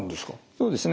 そうですね。